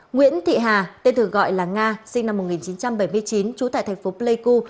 nguyễn thị hà tên thường gọi là nga sinh năm một nghìn chín trăm bảy mươi chín trú tại thành phố pleiku